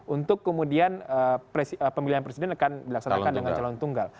untuk kemudian pemilihan presiden akan dilaksanakan dengan calon tunggal